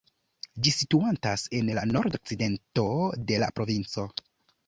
Ĝi situantas en la nordokcidento de la provinco.